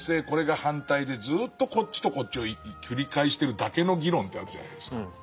これが反対でずっとこっちとこっちを繰り返してるだけの議論ってあるじゃないですか。